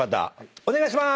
・お願いします。